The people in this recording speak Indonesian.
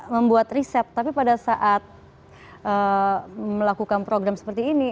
membuat riset tapi pada saat melakukan program seperti ini